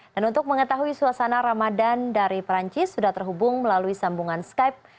dan untuk mengetahui suasana ramadan dari perancis sudah terhubung melalui sambungan skype